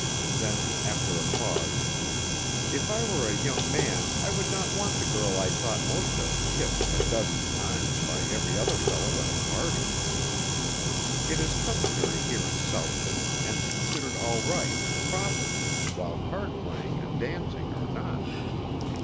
Then, after a pause: "If I were a young man I would not want the girl I thought most of kissed a dozen times by every other fellow at a party. It is customary here in Southton, and considered all right and proper, while card playing and dancing are not.